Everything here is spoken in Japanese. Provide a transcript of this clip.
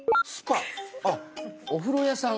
ああお風呂屋さん